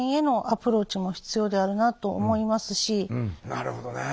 なるほどね。